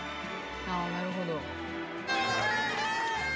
「ああなるほど」